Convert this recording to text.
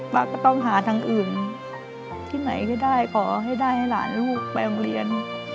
ก็ต้องหาทางอื่นที่ไหนก็ได้ขอให้ได้ให้หลานลูกไปโรงเรียน